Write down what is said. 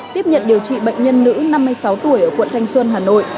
tiếp nhận điều trị bệnh nhân nữ năm mươi sáu tuổi ở quận thanh xuân hà nội